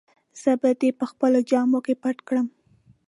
زه به دي په خپلو جامو کي پټ کړم.